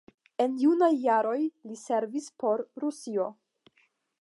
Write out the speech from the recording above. En junaj jaroj li servis por Rusio.